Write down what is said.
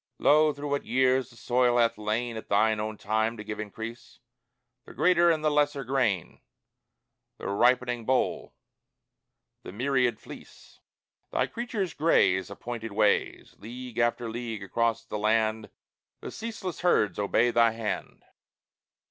Lo, through what years the soil hath lain At thine own time to give increase The greater and the lesser grain, The ripening boll, the myriad fleece! Thy creatures graze Appointed ways; League after league across the land The ceaseless herds obey thy hand.